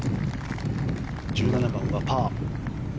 １７番はパー。